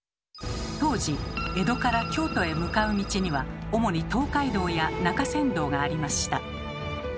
当時江戸から京都へ向かう道には主に東海道や中山道がありました。